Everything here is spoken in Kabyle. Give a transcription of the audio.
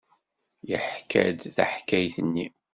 Yeḥka-d taḥkayt-nni.